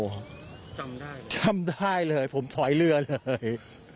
จำได้จำได้เลยผมถอยเรือเลย